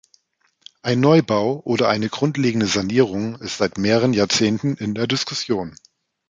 Ein Neubau oder eine grundlegende Sanierung ist seit mehreren Jahrzehnten in der Diskussion.